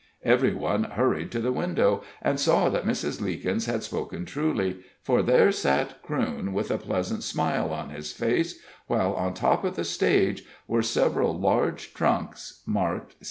Every one hurried to the window, and saw that Mrs. Leekins had spoken truly, for there sat Crewne with a pleasant smile on his face, while on top of the stage were several large trunks marked C.